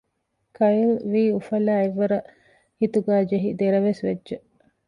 ކައިލް ވީ އުފަލާ އެއްވަރަށް ހިތުގައިޖެހި ދެރަވެސް ވެއްޖެ